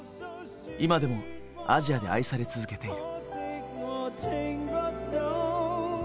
今でもアジアで愛され続けている。